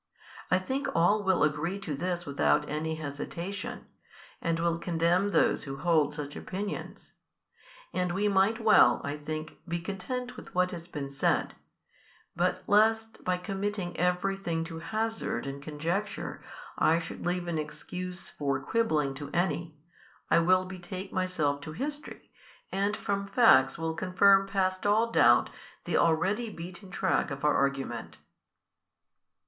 I think all will agree to this without any hesitation, and will condemn those who hold such opinions. And we might well, I think, be content with what has been said, but lest by committing every thing to hazard and conjecture I should leave an excuse for quibbling to any, I will betake myself to history, and from facts will confirm past all doubt the already beaten track of our argument.